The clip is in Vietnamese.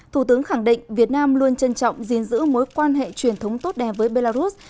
thủ tướng khẳng định việt nam luôn trân trọng gìn giữ mối quan hệ truyền thống tốt đẹp với belarus